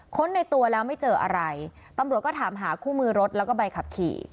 ในตัวแล้วไม่เจออะไรตำรวจก็ถามหาคู่มือรถแล้วก็ใบขับขี่